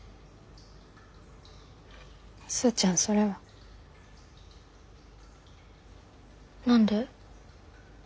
スーちゃんそれは。何で？